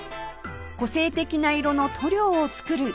個性的な色の塗料を作る企業へ